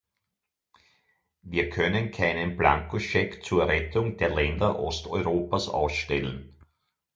Wir können keinen Blankoscheck zur Rettung der Länder Osteuropas ausstellen.